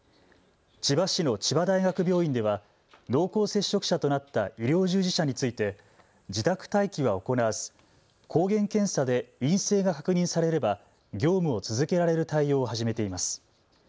千葉市の千葉大学病院では濃厚接触者となった医療従事者について自宅待機は行わず抗原検査で陰性が確認されれば業務を続けられる対応を始めています。